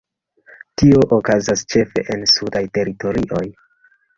Tio okazas ĉefe en sudaj teritorioj.